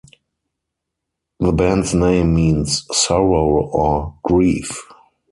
The band's name means "sorrow" or "grief.